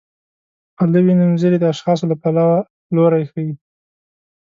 پلوي نومځري د اشخاصو له پلوه لوری ښيي.